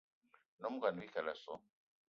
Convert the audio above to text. Nyom ngón Bikele o so!